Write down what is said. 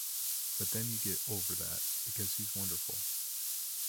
But then you get over that, because he's wonderful.